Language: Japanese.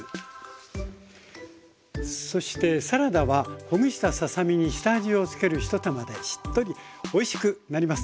そしてサラダはほぐしたささ身に下味をつける一手間でしっとりおいしくなります。